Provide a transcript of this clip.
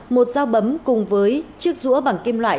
một dao bấm cùng với chiếc rũa bằng kim loại